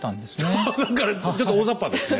何かちょっと大ざっぱですね。